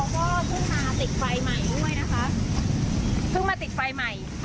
ก็ได้คิดว่าเขาก็เพิ่งมาติดไฟใหม่ด้วยนะคะ